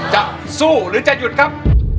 จะสู้หรือจะหยุดครับ